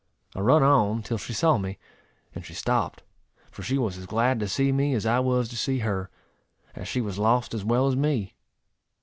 I run on till she saw me, and she stopped; for she was as glad to see me as I was to see her, as she was lost as well as me.